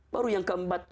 baru yang keempat